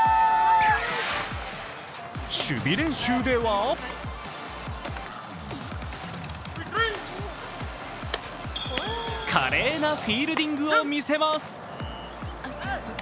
守備練習では華麗なフィールディングを見せます。